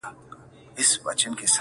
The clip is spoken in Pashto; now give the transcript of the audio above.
ګوندي دا خرابه خونه مو ګلشن شي٫